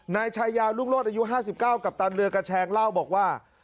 นายชายาลุ่งรถอายุห้าสิบเก้ากัปตันเหลือกระแชงเล่าบอกว่า